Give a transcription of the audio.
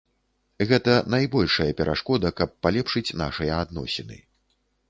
Гэта найбольшая перашкода, каб палепшыць нашыя адносіны.